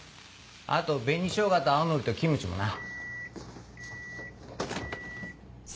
あと紅しょうがと青のりとキムチもな。